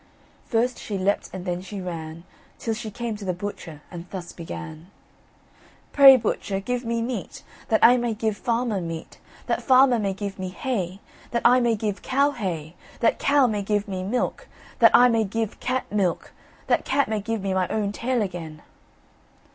First she leapt, and then she ran, Till she came to the butcher, and thus began: "Pray, Butcher, give me meat, that I may give farmer meat, that farmer may give me hay, that I may give cow hay, that cow may give me milk, that I may give cat milk, that cat may give me my own tail again."